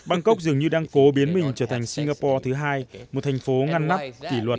bangkok dường như đang cố biến mình trở thành singapore thứ hai một thành phố ngăn nắp kỷ luật